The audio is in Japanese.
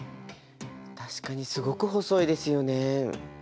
確かにすごく細いですよね。